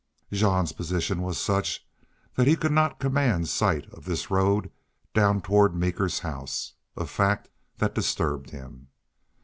Jean's position was such that he could not command sight of this road down toward Meeker's house, a fact that disturbed him.